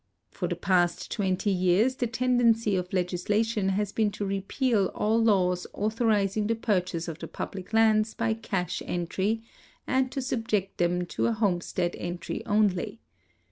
For the past twenty years the tendency of legislation has l)een to repeal all laws authorizing the purchase of the public lands by cash entry and to subject theni to liomestead entry only.'